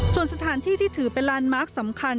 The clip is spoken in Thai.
ส่วนสถานที่ที่ถือเป็นลานมาร์คสำคัญ